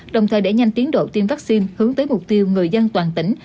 đồng thời để nhanh tiến độ tiêm vaccine hướng tới mục tiêu người dân toàn tỉnh